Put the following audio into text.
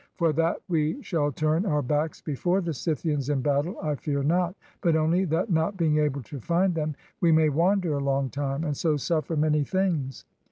For that we shall turn our backs before the Scythians in battle, I fear not; but only, that not being able to find them, we may wander a long time, and so suffer many things.